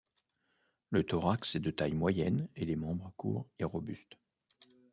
Le thorax est de taille moyenne et les membres courts et robustes.